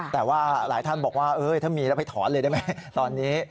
แต่ว่าหลายท่านบอกว่าถ้ามีแล้วไปถอนเลยได้ไหมตอนนี้